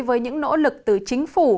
với những nỗ lực từ chính phủ